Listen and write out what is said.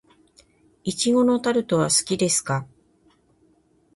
苺のタルトは好きですか。